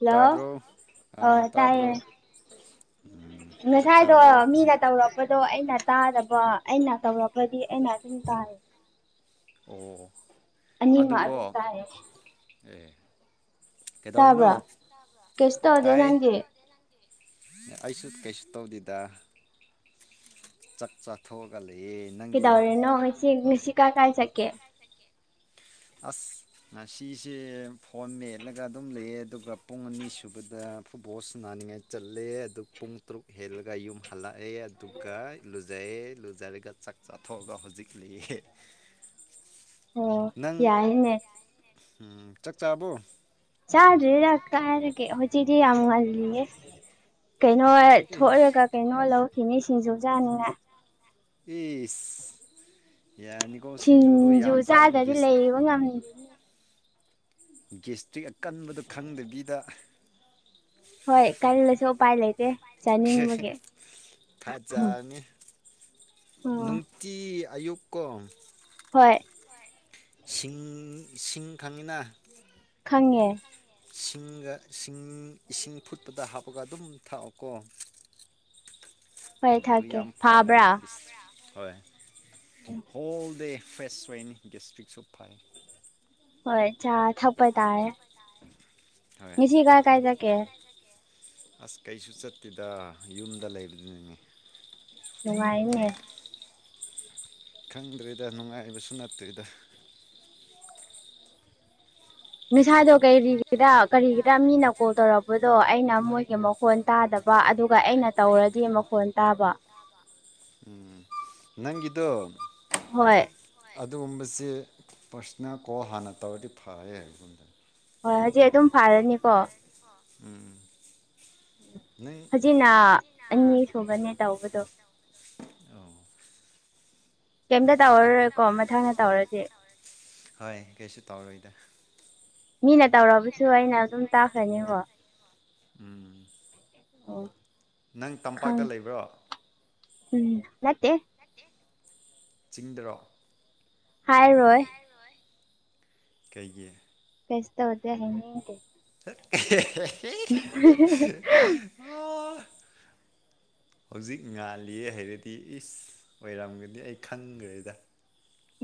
hello ꯇꯥꯕ꯭ꯔꯣ ꯑ ꯇꯥꯗꯔꯣ ꯇꯥꯏꯌꯦ ꯉꯁꯥꯏꯗꯣ ꯃꯤꯅ ꯇꯧꯔꯛꯄꯗꯣ ꯑꯩꯅ ꯇꯥꯗꯕ ꯑꯩꯅ ꯇꯧꯔꯛꯄ ꯄꯗꯤ ꯑꯩꯅ ꯑꯗꯨꯝ ꯇꯥꯏ ꯎꯝ ꯑꯅꯤꯃꯛ ꯑꯗꯨꯝ ꯇꯥꯏꯌꯦ ꯑꯩ ꯇꯥꯕ꯭ꯔꯥ ꯀꯩꯁꯨ ꯇꯧꯗꯦ ꯇꯥꯏ ꯅꯪꯗꯤ ꯑꯩꯁꯨ ꯀꯩꯁꯨ ꯇꯧꯗꯦꯗ ꯆꯥꯛ ꯆꯥꯊꯣꯛꯑꯒ ꯂꯩꯌꯦ ꯅꯪꯗꯤ ꯀꯩꯗꯧꯔꯤꯅꯣ ꯉꯁꯤ ꯉꯁꯤ ꯀꯥ ꯀꯥꯏ ꯆꯠꯀꯦ ꯑꯁ ꯉꯁꯤꯁꯦ ꯐꯣꯟ ꯃꯦꯠꯂꯒ ꯑꯗꯨꯝ ꯂꯩꯌꯦ ꯑꯗꯨꯒ ꯄꯨꯡ ꯑꯅꯤ ꯁꯨꯕꯗ ꯐꯨꯠꯕꯣꯜꯁ ꯅꯥꯅꯤꯡꯉꯥꯏ ꯆꯠꯂꯦ ꯑꯗꯨ ꯄꯨꯡ ꯇꯔꯨꯛ ꯍꯦꯜꯂꯒ ꯌꯨꯝ ꯍꯜꯂꯛꯑꯦ ꯑꯗꯨꯒ ꯂꯨꯖ ꯔꯦ ꯂꯨꯖꯔꯒ ꯆꯥꯛ ꯆꯥꯊꯣꯛꯑꯒ ꯍꯧꯖꯤꯛ ꯂꯩꯌꯦ ꯑꯣ ꯅꯪ ꯌꯥꯏꯌꯦꯅꯦ ꯆꯥꯛ ꯆꯥꯕꯣ ꯆꯥꯗꯔꯤꯗ ꯀꯥꯏꯗꯒꯤ ꯍꯧꯖꯤꯛꯗꯤ ꯌꯥꯝ ꯉꯜꯂꯤꯌꯦ ꯀꯩꯅꯣ ꯏꯁ ꯊꯣꯛꯂꯒ ꯀꯩꯅꯣ ꯂꯧꯈꯤꯅꯤ ꯁꯤꯡꯖꯨ ꯆꯥꯅꯤꯡꯉꯥꯏ ꯏꯤꯁ ꯁꯤꯡꯖꯨ ꯆꯥꯗ꯭ꯔꯗꯤ ꯒꯦꯁ ꯂꯩꯕ ꯉꯝ ꯒꯦꯁꯇ꯭ꯔꯤꯛ ꯑꯀꯟꯕꯗ ꯈꯪꯗꯕꯤꯗ ꯍꯣꯏ ꯀꯥꯜꯂꯥꯁꯨ ꯎꯄꯥꯏ ꯂꯩꯇꯦ ꯆꯥꯅꯤꯡꯕꯒꯤ ꯊꯥꯖꯅꯤ ꯎꯝ ꯅꯨꯡꯇꯤ ꯑꯌꯨꯛꯀꯣ ꯍꯣꯏ ꯁꯤꯡ ꯁꯤꯡ ꯈꯪꯉꯤꯅ ꯈꯪꯉꯦ ꯁꯤꯡꯒ ꯁꯤꯡ ꯏꯁꯤꯡ ꯐꯨꯠꯄꯗ ꯍꯥꯞꯄꯒ ꯑꯗꯨꯝ ꯊꯥꯛꯑꯣꯀꯣ ꯍꯣꯏ ꯑꯗꯨ ꯊꯛꯀꯦ ꯌꯥꯝ ꯐꯕꯅꯤ ꯐꯥꯕ꯭ꯔꯥ ꯍꯣꯏ ꯍꯣꯜ ꯗꯦ ꯐ꯭ꯔꯦꯁꯋꯦꯟ ꯒꯦꯁꯇ꯭ꯔꯤꯛ ꯁꯨ ꯐꯩ ꯍꯣꯏ ꯆꯥ ꯊꯛꯄ ꯇꯥꯔꯦ [inaudible] ꯃꯤꯁꯤ ꯀꯥꯏ ꯀꯥꯏ ꯆ ꯀꯦ ꯑꯁ ꯀꯩꯁꯨ ꯆꯠꯇꯦꯗ ꯌꯨꯝꯗ ꯂꯩꯕꯗꯨꯅꯅꯦ ꯅꯨꯡꯉꯥꯏꯅꯦ ꯈꯪꯗ꯭ꯔꯤꯗ ꯅꯨꯡꯉꯥꯏꯕꯁꯨ ꯅꯠꯇ꯭ꯔꯤꯗ ꯅꯤꯁꯥꯗꯣ ꯀꯔꯤꯒꯤꯔ ꯀꯔꯤꯒꯤꯔꯥ ꯃꯤꯅ ꯀꯣꯜ ꯇꯧꯔꯛꯄꯗꯣ ꯑꯩꯅ ꯃꯣꯏꯒꯤ ꯃꯈꯣꯟ ꯇꯥꯗꯕ ꯑꯗꯨꯒ ꯑꯩꯅ ꯇꯧꯔꯗꯤ ꯃꯈꯣꯟ ꯇꯥꯕ ꯎꯝ ꯅꯪꯒꯤꯗꯣ ꯍꯣꯏ ꯑꯗꯨꯒꯨꯝꯕꯁꯤ ꯄꯔꯁꯅ ꯀꯣ ꯍꯥꯟꯅ ꯇꯧꯔꯗꯤ ꯐꯩ ꯍꯥꯏꯕꯒꯨꯝꯕꯗꯅꯤ ꯍꯣꯏ ꯍꯧꯖꯤꯛ ꯑꯗꯨꯝ ꯐꯔꯅꯤꯀꯣ ꯎꯝ ꯅꯪ ꯍꯧꯖꯤꯛꯅ ꯑꯅꯤ ꯁꯨꯕꯅꯦ ꯇꯧꯕꯗꯣ ꯑꯣ ꯀꯩꯝꯇ ꯇꯧꯔꯔꯣꯏꯀꯣ ꯃꯊꯪꯗ ꯇꯧꯔꯗꯤ ꯍꯣꯏ ꯀꯩꯁꯨ ꯇꯧꯔꯣꯏꯗ ꯃꯤꯅ ꯇꯧꯔꯕꯁꯨ ꯑꯩꯅ ꯑꯗꯨꯝ ꯇꯥꯛꯈ꯭ꯔꯅꯤꯕꯣ ꯎꯝ ꯑꯣ ꯅꯪ ꯈꯪ ꯇꯝꯄꯥꯛꯇ ꯂꯩꯕ꯭ꯔꯣ ꯎꯝ ꯅꯠꯇꯦ ꯆꯤꯡꯗꯔꯣ ꯍꯥꯏ ꯔꯣꯏ ꯀꯩꯒꯤ ꯐꯦꯁꯇꯦ ꯍꯥꯏꯅꯤꯇꯦ [unintelligible] ꯎ [inaudible] ꯍꯧꯖꯤꯛ ꯉꯥꯜꯂꯤ ꯍꯥꯏꯔꯗꯤ ꯏꯁ ꯑꯣꯏꯔꯝꯒꯗꯤ ꯑꯩ ꯈꯪꯈ꯭ꯔꯦꯗ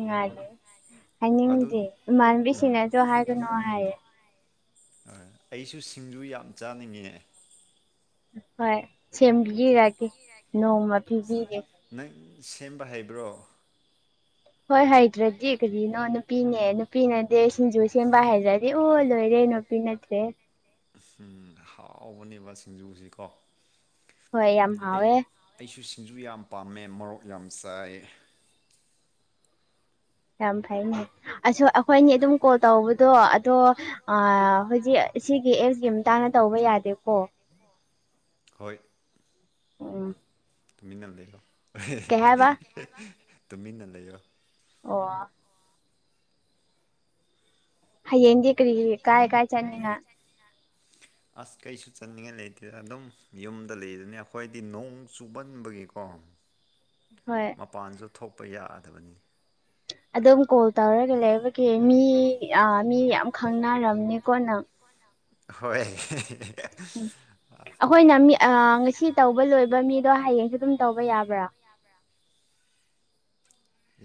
ꯉꯥꯂꯦ ꯑꯗꯨ ꯍꯥꯏꯅꯤꯡꯗꯦ ꯎꯝ ꯏꯃꯥꯟꯕꯤꯁꯤꯡꯅꯁꯨ ꯍꯥꯏꯒꯅꯨ ꯍꯥꯏꯌꯦ ꯍ ꯑꯩꯁꯨ ꯁꯤꯡꯖꯨ ꯌꯥꯝ ꯆꯥꯅ ꯌꯦꯛꯑꯦ ꯍꯣꯏ ꯁꯦꯝꯕꯤꯔꯒꯦ ꯅꯣꯡꯃ ꯄꯤꯕꯤꯒꯦ ꯅꯪ ꯁꯦꯝꯕ ꯍꯥꯏꯕ꯭ꯔꯣ ꯍꯣꯏ ꯍꯩꯗ꯭ꯔꯗꯤ ꯀꯔꯤꯅꯣ ꯅꯨꯄꯤꯅꯦ ꯅꯨꯄꯤꯅꯗꯤ ꯁꯤꯡꯖꯨ ꯁꯦꯝꯕ ꯍꯥꯏꯔꯗꯤ ꯑꯣ ꯂꯣꯏꯔꯦ ꯅꯨꯣꯄꯤ ꯅꯠꯇ꯭ꯔꯦ ꯍꯥꯎꯕꯅꯦꯕ ꯁꯤꯡꯖꯨꯁꯤꯀꯣ ꯍꯣꯏ ꯌꯥꯝ ꯑꯩ ꯍꯥꯎꯋꯦ ꯑꯩꯁꯨ ꯁꯤꯡꯖꯨ ꯌꯥꯝ ꯄꯥꯝꯃꯦ ꯃꯔꯣꯔꯣꯛ ꯌꯥꯝ ꯆꯥꯏ ꯌꯥꯝꯝ ꯐꯥꯏꯅꯦ ꯑꯁ ꯑꯩꯈꯣꯏ ꯑꯅꯤ ꯑꯗꯨꯝ ꯀꯣꯜ ꯇꯧꯕꯗꯣ ꯑꯗꯣ ꯍꯧꯖꯤꯛ ꯁꯤꯒꯤ ꯑꯦꯞꯁꯀꯤ ꯃꯇꯥꯡꯗ ꯇꯧ ꯇꯧꯕ ꯌꯥꯗꯦꯀꯣ ꯍꯣꯏ ꯎꯝ ꯇꯨꯃꯤꯟꯅ ꯂꯩꯔꯣ ꯀꯩ ꯍꯥꯏꯕ ꯇꯨꯃꯤꯟꯅ ꯂꯩꯔꯣ ꯑꯣ ꯍꯌꯦꯡꯗꯤ ꯀꯔꯤ ꯀꯥꯏ ꯀꯥꯏ ꯆꯅꯤꯅ ꯑꯁ ꯀꯩꯁꯨ ꯆꯠꯅꯤꯡꯉꯥꯏ ꯂꯩꯇꯦꯗ ꯑꯗꯨꯝ ꯌꯨꯝꯗ ꯂꯩꯗꯨꯅꯤ ꯑꯩꯈꯣꯏꯗꯤ ꯅꯣꯡ ꯆꯨꯕꯟꯕꯒꯤꯀꯣ [inaudible] ꯍꯣꯏ ꯃꯄꯥꯟꯁꯨ ꯊꯣꯛꯄ ꯌꯥꯗꯕꯅꯤ ꯑꯗꯨꯝ ꯀꯣꯜ ꯇꯧꯔꯒ ꯂꯩꯕꯒꯤ ꯃꯤ ꯑ ꯃꯤ ꯌꯥꯝ ꯈꯪꯅꯔꯝꯅꯤꯀꯣꯅ ꯍꯣꯏ ꯑꯩꯈꯣꯏꯅ ꯃꯤ ꯉꯁꯤ ꯇꯧꯕ ꯂꯣꯏꯕ ꯃꯤꯗꯣ ꯍꯌꯦꯡꯁꯨ ꯑꯗꯨꯝ ꯇꯧꯕ ꯌꯥꯕ꯭ꯔꯥ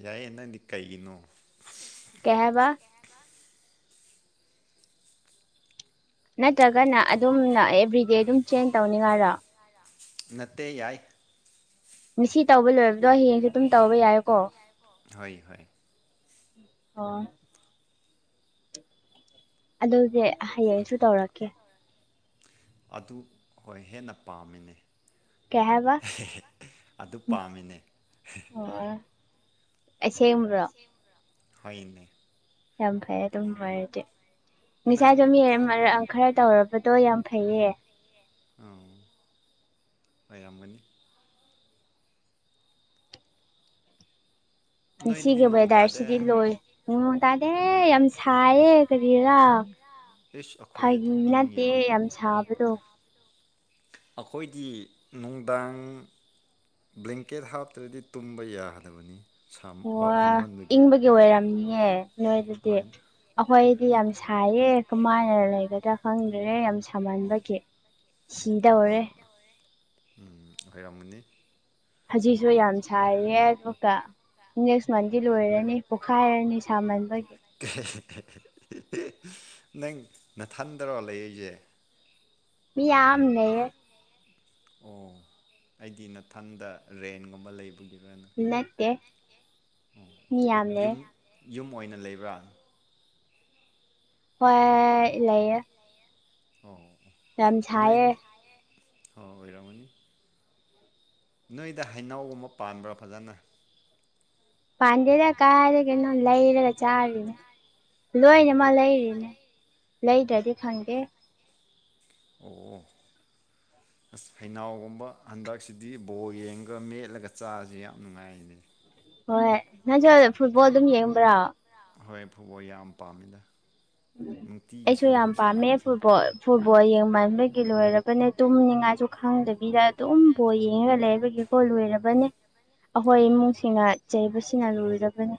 ꯌꯥꯏꯌꯦ ꯅꯪꯗꯤ ꯀꯩꯒꯤꯅꯣ ꯀꯩ ꯍꯥꯏꯕ ꯅꯠꯇ꯭ꯔꯒꯅ ꯑꯗꯨꯝꯅ ꯑꯦꯚ꯭ꯔꯤꯗꯦ ꯑꯗꯨꯝ ꯆꯦꯟ ꯇꯧꯅꯤꯡꯉꯥꯏꯔꯣ ꯅꯠꯇꯦ ꯌꯥꯏ ꯉꯁꯤ ꯇꯧꯕ ꯂꯣꯏꯔꯕꯗꯣ ꯍꯌꯦꯡꯁꯨ ꯑꯗꯨꯝ ꯇꯧꯕ ꯌꯥꯏꯀꯣ ꯍꯣꯏ ꯍꯣꯏ ꯍ ꯑꯗꯨꯗꯤ ꯍꯌꯦꯡꯁꯨ ꯇꯧꯔꯛꯀꯦ ꯑꯗꯨ ꯍꯣꯏ ꯍꯦꯟꯅ ꯄꯥꯝꯃꯤꯅꯦ ꯀꯌꯥꯦꯕ ꯑꯗꯨ ꯄꯥꯝꯃꯤꯅꯦ ꯑꯣ ꯁꯦ ꯃꯔꯣ ꯍꯅꯦ ꯌꯥꯝ ꯐꯩ ꯑꯗꯨꯝ ꯅꯨꯡꯉꯔꯗꯤ ꯉꯁꯥꯏ ꯅꯪ ꯑꯗꯨꯝ ꯈꯔ ꯇꯧꯔꯕꯗꯣ ꯌꯥꯝ ꯐꯩꯌꯦ ꯑꯥ ꯑꯩꯥꯏꯌꯥꯝꯒꯅꯤ ꯅꯣꯏꯗꯗꯤ ꯅꯣꯡ ꯇꯥꯗꯦ ꯁꯤꯒꯕꯗꯔꯁꯤꯗꯤ ꯂꯣꯏ ꯎ ꯇꯥꯗꯦ ꯌꯥꯝ ꯁꯥꯏꯌꯦ ꯀꯔꯤꯔꯥ ꯏꯁ ꯑꯩꯈꯣꯏꯗꯗꯤ ꯐꯒꯤ ꯏꯪꯉꯦ ꯅꯠꯇꯦ ꯌꯥꯝ ꯁꯥꯕꯗꯣ [unintelligible] [inaudible] ꯑꯩꯈꯣꯏꯒꯤ ꯅꯨꯡꯗꯥꯡ ꯕ꯭ꯂꯦꯡꯀꯦꯠ ꯍꯥꯞꯇ꯭ꯔꯗꯤ ꯇꯨꯝꯕ ꯌꯥꯒꯗꯕꯅꯤ ꯑꯣ ꯏꯪꯕꯒꯤ ꯑꯣꯏꯔꯝꯅꯤꯌꯦ ꯅꯣꯏꯗꯗꯤ ꯍꯣꯏ ꯍꯣꯏꯗꯤ ꯌꯥꯝ ꯁꯥꯏꯌꯦ ꯀꯃꯥꯏꯅ ꯂꯩꯒꯗ꯭ꯔꯥ ꯈꯪꯗ꯭ꯔꯦ ꯌꯥꯝ ꯁꯥꯝꯍꯟꯕꯒꯤ ꯁꯤꯗ ꯍꯣꯔꯦ ꯍꯣꯏ ꯎꯝ ꯍꯈꯣꯏꯔꯥꯒꯅꯤ ꯍꯧꯖꯤꯛꯁꯨ ꯌꯥꯝ ꯁꯥꯏꯌꯦ ꯑꯗꯨꯒꯀ ꯅꯦꯛꯁ ꯃꯟꯗꯤ ꯂꯣꯏꯔꯅꯤ ꯄꯣꯛꯈꯥꯏꯔꯅꯤ ꯁꯥꯃꯟꯕꯒꯤ ꯅꯪ ꯅꯊꯟꯗꯔꯣ ꯂꯩ ꯑꯩꯁꯦ ꯃꯤ ꯌꯥꯝꯝ ꯅ ꯑꯣ ꯑꯩꯗꯤ ꯃꯊꯪꯗ ꯔꯦꯟꯒꯨꯝꯕ ꯂꯩꯕꯒꯤ ꯅꯦ ꯃꯤꯌꯥꯝꯌꯥꯝꯂꯦ ꯌꯨꯝ ꯌꯨꯝ ꯑꯣꯏꯅ ꯂꯩꯕ꯭ꯔꯥ ꯍꯣꯏ ꯂꯩ ꯑꯣ ꯌꯥꯝꯝꯁꯑꯌꯦ ꯍ ꯑꯣꯏꯣꯏꯔꯃꯅꯤ ꯅꯣꯏꯗ ꯍꯩꯅꯎꯒꯨꯝꯕ ꯄꯥꯟꯕ꯭ꯔꯥ ꯐꯖꯅ ꯄꯥꯟꯗꯦꯗ ꯀꯥꯔꯦ ꯀꯣ ꯂꯩꯔꯒ ꯆꯥ ꯂꯣꯏꯅ ꯑꯣ ꯃꯥ ꯂꯩꯔꯤꯅꯦ ꯂꯩꯗ꯭ꯔꯗꯤ ꯈꯪꯗꯦ ꯑꯣ ꯎꯝ ꯑꯁ ꯐꯩꯅꯥꯎꯒꯨꯝꯕ ꯍꯟꯗꯛꯁꯤꯗꯤ ꯕꯣꯔ ꯌꯦꯡꯉꯒ ꯃꯦꯠꯂꯒ ꯆꯥꯁꯤ ꯌꯥꯝ ꯅꯨꯡꯉꯥꯏꯅꯦ ꯍꯣꯏ ꯅꯪ ꯐꯨꯠꯕꯣꯜ ꯑꯗꯨꯝ ꯌꯦꯡꯕ꯭ꯔꯥ ꯍꯣꯏ ꯐꯨꯕꯣ ꯌꯥꯝ ꯄꯥꯝꯃꯤꯗ ꯅꯨꯡꯇꯤꯒꯤꯁꯨ ꯑꯩꯁꯨ ꯌꯥꯝ ꯑꯗꯨꯝ ꯄꯥꯝꯃꯦ ꯁꯥꯟꯅꯕ ꯐꯨꯠꯕꯣ ꯆꯠꯂꯦ ꯐꯨꯠꯕꯣꯜ ꯌꯦꯡꯃꯟꯕꯒꯤ ꯂꯣꯏꯔꯕꯅꯦ ꯇꯨꯝꯅꯤꯡꯉꯥꯏꯁꯨ ꯈꯪꯗꯕꯤ ꯗ ꯑꯗꯨꯝ ꯕꯣ ꯌꯦꯡꯉꯒ ꯂꯩꯕꯒꯤꯀꯣ ꯂꯣꯏꯔꯕꯅꯦ ꯑꯩꯈꯣꯏ ꯎꯝ ꯏꯃꯨꯡꯁꯤꯡꯅ ꯆꯩꯁ ꯁꯤꯅ ꯂꯣꯏꯔꯕꯅꯤ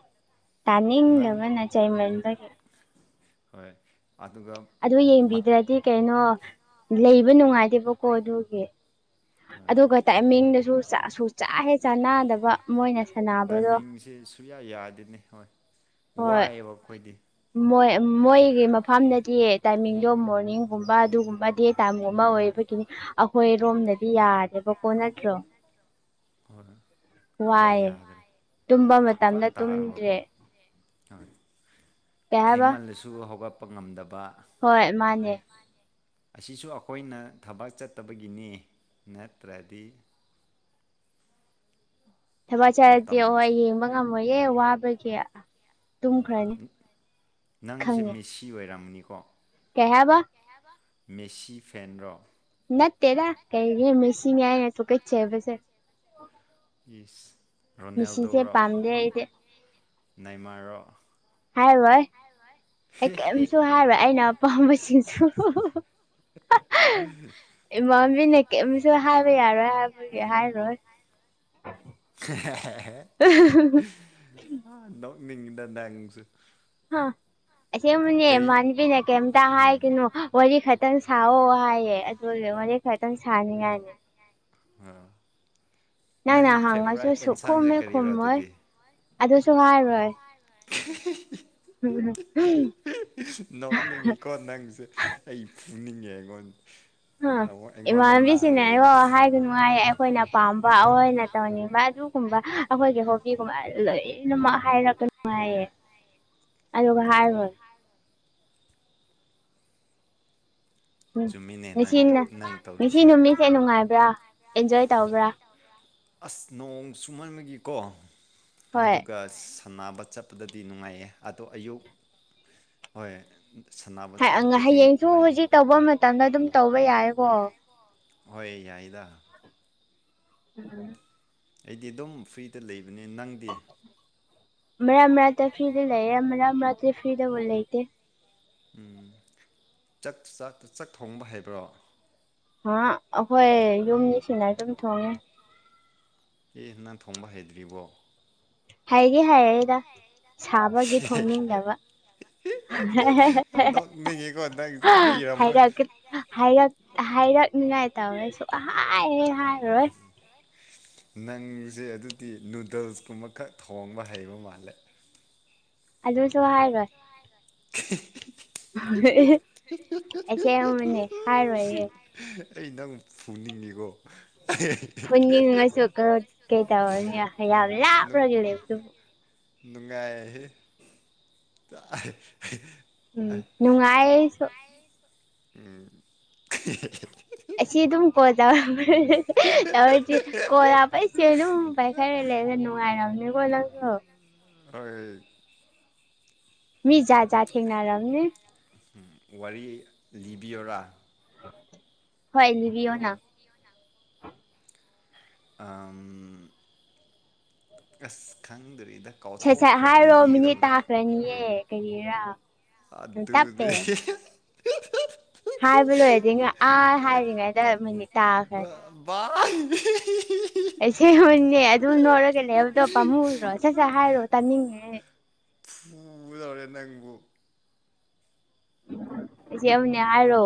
ꯅꯪ ꯇꯥꯅꯤꯡꯗꯕꯅ ꯆꯩꯥꯏꯃꯟꯕꯒꯤ ꯍꯣꯏ ꯑꯗꯨꯒ ꯑꯗꯨ ꯃꯠ ꯌꯦꯡꯕꯤꯗ꯭ꯔꯗꯤ ꯀꯩꯅꯣ ꯂꯩꯕ ꯅꯨꯡꯉꯥꯏꯗꯦꯕꯀꯣ ꯑꯗꯨꯒꯤ ꯍꯣꯏ ꯑꯩꯈꯣꯏ ꯑꯗꯨꯒ ꯇꯥꯏꯃꯤꯡꯗꯁꯨꯁꯨ ꯆꯥ ꯍꯦ ꯆꯥꯅꯗꯕ ꯃꯣꯏꯅ ꯁꯥꯟꯅꯕꯗꯣ ꯁꯤ ꯁꯨꯌꯥ ꯌꯥꯗꯅꯤ ꯍꯣꯏ ꯍꯣꯏ ꯋꯥꯏꯑꯦꯕ ꯑꯩꯈꯣꯏꯗꯤ ꯃꯣꯏ ꯃꯣꯏꯒꯤ ꯃꯐꯝꯗꯗꯤ ꯇꯥꯏꯃꯤꯡꯗꯣ ꯃꯣꯔꯅꯤꯡꯒꯨꯝꯕ ꯑꯗꯨꯒꯨꯝꯕꯗꯤ ꯇꯥꯏꯝꯒꯨꯝꯕ ꯑꯣꯏ ꯅꯤ ꯑꯩꯈꯣꯏꯔꯣꯝꯗꯗꯤ ꯌꯥꯗꯦꯕꯀꯣ ꯅꯠꯇ꯭ꯔꯣ ꯍꯣꯏ ꯑꯩꯈꯣꯏꯗꯤ ꯋꯥꯏ ꯌꯥꯗ꯭ꯔꯦ ꯇꯨꯝꯕ ꯃꯇꯝꯗ ꯇꯨꯝꯗ꯭ꯔꯦ ꯍ ꯀꯩ ꯍꯥꯏꯕ ꯊꯦꯡꯃꯜꯗꯁꯨ ꯍꯧꯒꯠꯄ ꯉꯝꯗꯕ ꯍꯣꯏ ꯃꯥꯅꯦ ꯑꯁꯤꯁꯨ ꯑꯩꯈꯣꯏꯅ ꯊꯕꯛ ꯆꯠꯇꯕꯒꯤꯅꯤ ꯅꯠꯇ꯭ꯔꯗꯤ ꯊꯕꯛ ꯆꯥꯔꯗꯤ ꯑꯣ ꯃꯇꯝꯁꯦ ꯌꯦꯡꯕ ꯉꯝꯃꯣꯏꯍꯦ ꯋꯥꯕꯒꯤ ꯇꯨꯝꯈ꯭ꯔꯅꯤ ꯎꯝ ꯅꯪꯁꯦ ꯃꯤꯁꯤ ꯑꯣꯏꯔꯝꯅꯤꯀꯣ ꯀꯩꯍꯥꯏꯕ ꯃꯦꯁꯤ ꯐꯦꯟ꯭ꯔꯣ ꯅ ꯇꯦꯗꯥ ꯀ ꯃꯤꯁꯤ ꯌꯥ ꯇ ꯀ ꯏꯁ ꯃꯁꯤꯁꯦ ꯄꯝ ꯗꯦ ꯏꯗꯤ ꯏꯃꯔꯣ ꯍꯥꯏꯔꯣꯏ ꯑꯩ ꯀꯔꯤꯝꯁꯨ ꯍꯥꯏꯔꯣꯏ ꯑꯩꯅ ꯑꯄꯥꯝꯕꯁꯤꯡꯁꯨ ꯏꯃꯕꯤ ꯅ ꯀꯦ ꯄꯤꯁ ꯍꯕ ꯌꯥꯔꯣꯏ ꯍꯥꯏ ꯍꯥꯏꯥꯏꯔꯣꯏ ꯗꯣ ꯅꯤꯡꯗ ꯇꯉꯁꯨ ꯍꯥꯥ ꯑꯁꯦꯡꯕꯅꯦ ꯀꯩ ꯏꯃꯥꯟꯕꯤꯅ ꯀꯩꯝꯇ ꯎꯝ ꯍꯥꯏꯒꯅꯨ ꯋꯥꯔꯤ ꯈꯇꯪ ꯁꯥꯑꯣ ꯍꯥꯏꯌꯦ ꯑꯗꯨ ꯈꯔꯇꯪ ꯁꯅꯤ ꯍꯥꯏꯅꯦ ꯑꯥ ꯅꯪ ꯅꯪꯅ ꯍꯪꯉꯁꯨ ꯐꯦꯚꯣꯔꯥꯏꯠ ꯁꯨꯛ ꯑꯦꯟꯁꯥꯡꯁꯦ ꯈꯨꯝꯃꯦ ꯀꯔꯤꯔꯣ ꯈꯨꯝꯃꯣꯏ ꯑꯗꯨꯗꯤ ꯑꯗꯨꯁꯨ ꯍꯥꯏꯔꯣꯏ [unintelligible] [inaudible] ꯅꯣꯛꯅꯤꯡꯉꯤꯀꯣ ꯅꯪꯁꯦ ꯑꯩ ꯎꯅꯤꯡꯉꯦ ꯑꯩꯉꯣꯟ ꯑ ꯑꯃꯨꯛ ꯑꯩꯉꯣꯟꯗ ꯅꯥꯟꯅ ꯏꯃꯥꯟꯅꯕꯤꯁꯤꯡꯅꯅꯦ ꯂꯩꯗꯤ ꯕꯕꯥ ꯐꯨ ꯍꯥꯏꯕ ꯅꯨꯡꯉꯥꯏ ꯑꯩꯈꯣꯏꯅ ꯄꯥꯝꯕ ꯑꯩ ꯑꯣꯏꯅ ꯇꯧꯅꯤꯕ ꯑꯗꯨꯒꯨꯝꯕ ꯑꯩꯈꯣꯏꯒꯤ ꯍꯣꯕꯤꯒꯨꯝꯕ ꯂꯣꯏꯅꯃꯛ ꯍꯥꯏꯔꯛꯒ ꯅꯨꯡꯉꯥꯏꯌꯦ ꯑ ꯍꯥꯔ ꯍꯣꯏ ꯍꯣꯏ ꯑꯣꯏ ꯎꯝ ꯆꯨꯝꯃꯤꯅꯦ ꯅꯪ ꯉꯁꯤꯅ ꯅꯪ ꯉꯁꯤ ꯇꯧꯔꯤꯁꯦ ꯅꯨꯃꯤꯠꯁꯦ ꯅꯨꯡꯉꯥꯏꯕ꯭ꯔꯥ ꯑꯦꯟꯖꯣꯏ ꯇꯧꯕ꯭ꯔꯥ ꯑꯁ ꯅꯣꯡ ꯆꯨꯝꯍꯟꯕꯒꯤꯀꯣ ꯍꯣꯏ ꯑꯗꯨꯒ ꯁꯝꯅꯕ ꯆꯠꯄꯗꯗꯤ ꯅꯨꯡꯉꯥꯏꯌꯦ ꯑꯗꯣ ꯑꯌꯨꯛ ꯍꯣꯏ ꯁꯥꯟꯅꯕ ꯆꯠꯄꯗꯗꯤ ꯍꯌꯦꯡꯁꯨ ꯅꯨꯡꯉꯥꯏꯔꯦ ꯍꯧꯖꯤꯛ ꯇꯧꯕ ꯃꯇꯝꯗ ꯑꯗꯨꯝ ꯇꯧꯕ ꯌꯥꯏꯀꯣ ꯑꯣꯏ ꯌꯥꯏꯗ ꯎꯝ ꯎꯝ ꯑꯩꯗꯤ ꯑꯗꯨꯝ ꯐ꯭ꯔꯤꯗ ꯂꯩꯕꯅꯤ ꯅꯪꯗꯤ ꯑꯃꯔ ꯑꯃꯔꯥꯠꯇ ꯐ꯭ꯔꯤꯗ ꯂꯩꯌꯦ ꯑꯃꯔ ꯑꯃꯔꯥꯇ ꯐꯔꯤꯗꯕꯨ ꯂꯩꯇꯦ ꯎꯝ ꯆ ꯆ ꯆꯥꯛ ꯊꯣꯡꯕ ꯍꯥꯏꯕ꯭ꯔꯣ ꯍꯥ ꯑꯩꯈꯣꯏ ꯌꯨꯝꯅꯤ ꯁꯤꯅ ꯑꯗꯨꯝ ꯊꯣꯡꯉꯦ ꯑꯦ ꯅꯪ ꯊꯣꯡꯕ ꯍꯩꯗ꯭ꯔꯤꯕꯣ ꯍꯥꯏꯒꯦ ꯍꯥꯏꯔꯦꯒ ꯁꯥꯕꯒꯤ ꯊꯣꯡꯅꯤꯡꯗꯕ ꯅꯣꯛꯅꯤꯡꯉꯤꯀꯣ ꯅꯪꯁꯦ ꯍꯩꯔꯝꯃꯣꯏ ꯍꯥꯏꯔ ꯍꯥꯏꯔ ꯍꯥꯏ ꯑꯩꯔꯥꯛꯅꯤꯡꯉꯥꯏ ꯇꯧꯦꯁꯨ ꯍꯥꯏ ꯍꯥꯏꯔꯔꯣꯏ ꯅꯪꯁꯦ ꯑꯗꯨꯗꯤ ꯅꯨꯗꯜꯁꯀꯨꯝꯕ ꯈꯛ ꯊꯣꯡꯕ ꯍꯩꯕ ꯃꯥꯜꯂꯦ ꯑꯗꯨꯁꯨ ꯍꯥꯏꯔꯣꯏ [unintelligible] [inaudible] ꯑ ꯃ [unintelligible] [inaudible] ꯑꯩ ꯅꯪ ꯐꯨꯅꯤꯡꯉꯤꯀꯣ ꯄꯨꯅꯤꯡꯉꯁꯨ ꯀꯩ ꯇꯧꯔꯅꯤ ꯌꯥꯝ ꯂꯥꯞꯂꯒ ꯂꯩꯕ ꯅꯨꯡꯉꯥꯏꯍ ꯎꯝ ꯅꯨꯡꯥꯏꯥꯏ ꯁ ꯎꯝ ꯑꯁꯤ ꯑꯗꯨꯝ ꯀꯣ ꯇꯧꯔꯗꯤ ꯀꯣ ꯄꯩꯁꯦ ꯑꯗꯨꯝ ꯄꯥꯏꯈꯔꯦ ꯅꯨꯉꯥꯔꯝꯅꯤ ꯑꯅꯅꯤ ꯀꯣꯂꯗꯣ ꯍꯣꯏ ꯃꯤꯖꯥꯖꯥ ꯊꯦꯡ ꯅꯔꯝꯅꯤ ꯋꯥꯔꯤ ꯂꯤꯕꯤꯌꯔꯥ ꯍꯣꯏ ꯂꯤꯚꯑꯣꯅ ꯑ [unintelligible] [inaudible] ꯑꯁ ꯈꯪꯗꯔꯤꯗꯤ ꯁꯠ ꯁꯠ ꯍꯥꯏꯔꯣ ꯃꯤꯅꯤꯠ ꯇꯥꯈ꯭ꯔꯅꯤꯌꯦ ꯀꯔꯤꯔꯥ ꯌꯥꯝ ꯇꯞꯄꯦ ꯑꯗꯨꯠꯇꯅꯦ ꯍꯥꯏꯕ ꯂꯣꯏꯔꯗꯤ ꯑꯥ ꯑꯩ ꯍꯥꯏꯔꯤꯉꯩꯗ ꯃꯤꯅꯤꯠ ꯇꯥꯈ꯭ꯔꯅꯤ ꯑ [unintelligible] [inaudible] ꯑꯩꯁꯦ ꯍꯨꯅꯦ ꯑꯗꯨ ꯅꯣꯏꯔꯒ ꯂꯩ ꯍꯥꯏꯕꯗꯣ ꯄꯥꯝꯃꯨ ꯎꯔꯣ ꯁꯠ ꯁꯠ ꯍꯥꯏꯔꯣ ꯇꯥꯅꯤꯡꯉꯦ ꯎꯝ ꯎꯗꯧꯔꯕꯣ ꯑꯩꯁꯦ ꯑꯃꯅꯦ ꯍꯥꯏꯔꯣ